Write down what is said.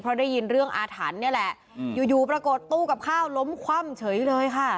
เพราะได้ยินเรื่องอาถรรพ์นี่แหละอยู่อยู่ปรากฏตู้กับข้าวล้มคว่ำเฉยเลยค่ะ